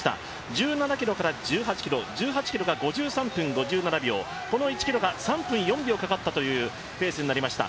１７ｋｍから１８ｋｍ、１８ｋｍが５３分５７秒、この１ｋｍが３分４秒かかったというペースになりました。